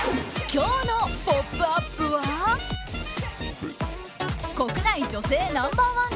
今日の「ポップＵＰ！」は国内女性ナンバー１